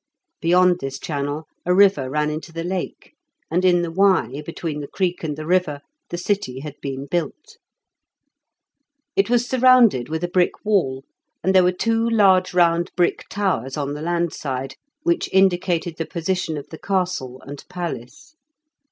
Beyond this channel a river ran into the lake, and in the Y, between the creek and the river, the city had been built. It was surrounded with a brick wall, and there were two large round brick towers on the land side, which indicated the position of the castle and palace.